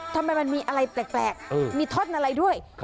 ทำไมมันมีอะไรแปลกมีท่อนอะไรด้วย